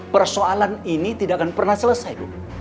persoalan ini tidak akan pernah selesai